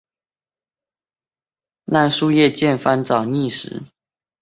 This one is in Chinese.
成对或成小群在地面烂树叶间翻找觅食。